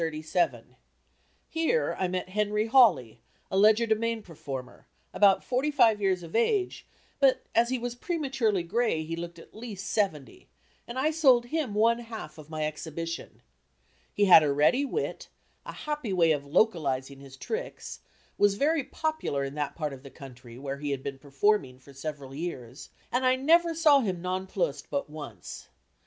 Here I met Henry Hawley a legerdemain performer, about forty five years of age, but as he was prematurely gray he looked at least seventy, and I sold him one half of my exhibition. He had a ready wit, a happy way of localizing his tricks, was very popular in that part of the country, where he had been performing for several years, and I never saw him nonplussed but once.